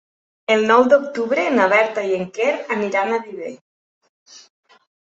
El nou d'octubre na Berta i en Quer aniran a Viver.